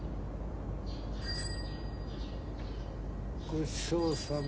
ごちそうさま。